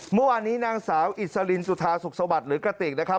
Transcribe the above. เมื่อวานนี้นางสาวอิสลินสุธาสุขสวัสดิ์หรือกระติกนะครับ